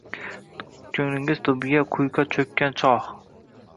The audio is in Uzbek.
Ko’nglingiz tubiga quyqa cho’kkan chog’ –